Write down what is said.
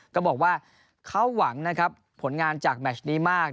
ก็บอกว่าเขาหวังนะครับผลงานจากแมชนี้มาก